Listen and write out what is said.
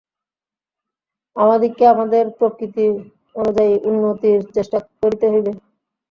আমাদিগকে আমাদের প্রকৃতি অনুযায়ী উন্নতির চেষ্টা করিতে হইবে।